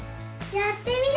やってみる！